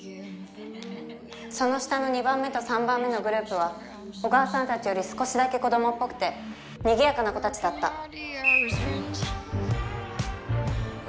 その下の二番目と三番目のグループは小川さんたちより少しだけ子供っぽくて賑やかな子たちだった。